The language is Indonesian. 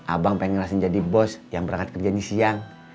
abang pengen ngasih jadi bos yang berangkat kerja ini siang